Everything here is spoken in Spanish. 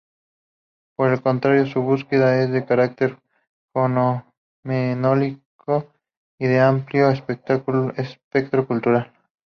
Por el contrario, su búsqueda es de carácter fenomenológico, y de amplio espectro cultural.